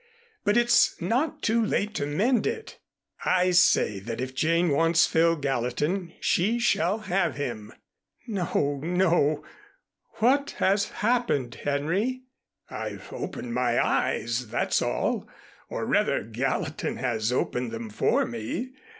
But it's not too late to mend it. I say that if Jane wants Phil Gallatin, she shall have him." "No, no. What has happened, Henry?" "I've opened my eyes, that's all, or rather Gallatin has opened them for me.